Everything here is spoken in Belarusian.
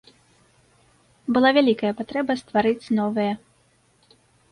Была вялікая патрэба стварыць новыя.